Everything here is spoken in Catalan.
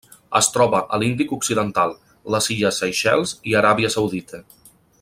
Es troba a l'Índic occidental: les illes Seychelles i Aràbia Saudita.